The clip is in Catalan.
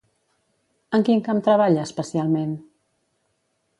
En quin camp treballa especialment?